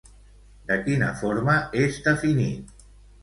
De quina forma és definit?